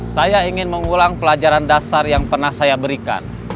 saya ingin mengulang pelajaran dasar yang pernah saya berikan